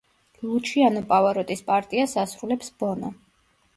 ლუჩიანო პავაროტის პარტიას ასრულებს ბონო.